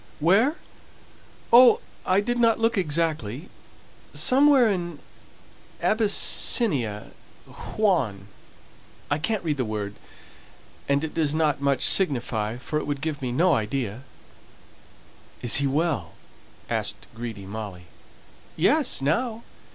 "Where? Oh, I didn't look exactly somewhere in Abyssinia Huon. I can't read the word, and it doesn't much signify, for it would give me no idea." "Is he well?" asked greedy Molly. "Yes, now.